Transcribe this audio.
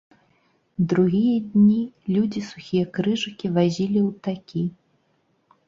Другія дні людзі сухія крыжыкі вазілі ў такі.